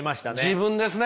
自分ですね。